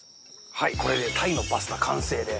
はいこれで鯛のパスタ完成です。